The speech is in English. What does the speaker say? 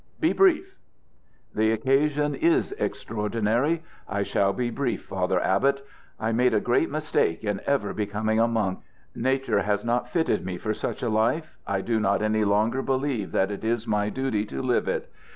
Be brief!" "The occasion is extraordinary. I shall be brief. Father Abbot, I made a great mistake in ever becoming a monk. Nature has not fitted me for such a life. I do not any longer believe that it is my duty to live it.